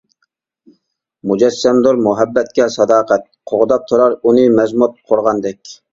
مۇجەسسەمدۇر مۇھەببەتكە ساداقەت، قوغداپ تۇرار ئۇنى مەزمۇت قورغاندەك.